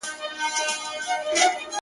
کيسې د پروني ماښام د جنگ در اچوم ـ